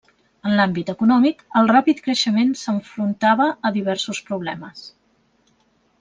En l'àmbit econòmic, el ràpid creixement s'enfrontava a diversos problemes.